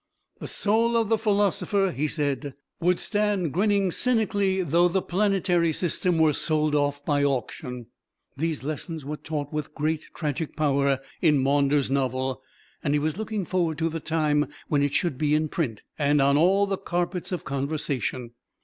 The soul of the Philosopher, he said, would stand grinning cynically though the planetary system were sold off by auction. These lessons were taught with great tragic power in Maunders' novel, and he was looking forward to the time when it should be in print, and on all the carpets of conversation.